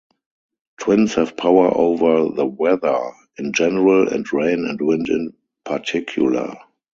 Twins have power over the weather in general and rain and wind in particular.